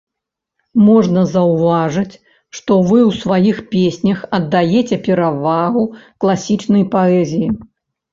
Можна заўважыць, што вы ў сваіх песнях аддаяце перавагу класічнай паэзіі.